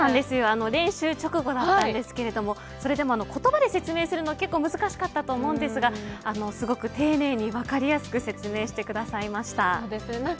練習直後だったんですけれどもそれでも言葉で説明するのは難しかったと思うんですがすごく丁寧に、分かりやすい説明をしてくださいました。